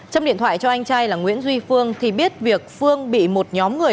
châm điện thoại cho anh trai là nguyễn duy phương thì biết việc phương bị một nhóm người